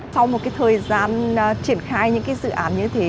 sau một thời gian triển khai những dự án như thế